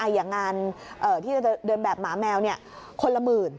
อย่างงานที่จะเดินแบบหมาแมวคนละหมื่น